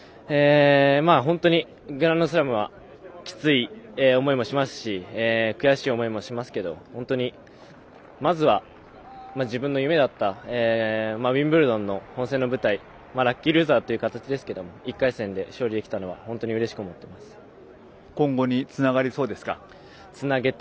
本当にグランドスラムはきつい思いもしますし悔しい思いもしますけど本当に、まずは自分の夢だったウィンブルドンの本戦の舞台、ラッキールーザーという形でしたけど１回戦で勝利できたのは今後につながりそうですか。